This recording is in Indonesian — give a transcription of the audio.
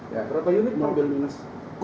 ya berapa unit mobil minus